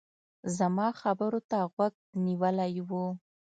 زما خبرو ته غوږ نيولی و.